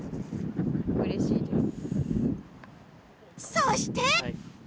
そして。